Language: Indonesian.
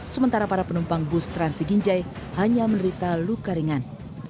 sebelum berjalan penumpang bus trans sijinjai menerita luka ringan